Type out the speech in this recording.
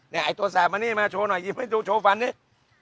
ไอ้ตัวแสบมานี่มาโชว์หน่อยหยิบให้ดูโชว์ฟันนี้